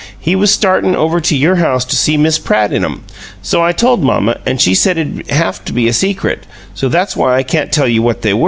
He was startin' over to your house to see Miss Pratt in 'em! So I told mamma, an' she said it 'd haf to be a secret, so that's why I can't tell you what they were.